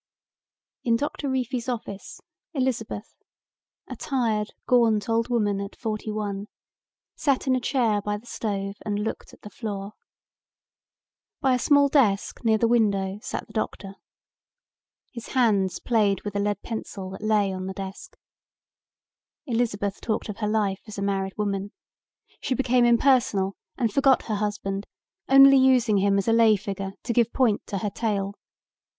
In Doctor Reefy's office, Elizabeth, a tired gaunt old woman at forty one, sat in a chair near the stove and looked at the floor. By a small desk near the window sat the doctor. His hands played with a lead pencil that lay on the desk. Elizabeth talked of her life as a married woman. She became impersonal and forgot her husband, only using him as a lay figure to give point to her tale.